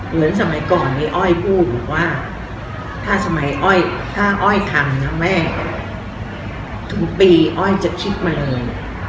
เหมือนสมัยก่อนนี้อ้อยพูดบอกว่าถ้าสมัยอ้อยถ้าอ้อยทำนะแม่ทุกปีอ้อยจะคิดมาเลย